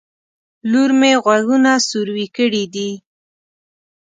لور مې غوږونه سوروي کړي دي